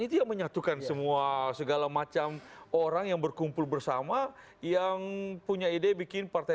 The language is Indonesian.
itu yang menyatukan semua segala macam orang yang berkumpul bersama yang punya ide bikin partai